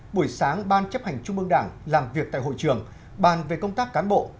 buổi sáng ban chấp hành trung mương đảng làm việc tại hội trường bàn về công tác cán bộ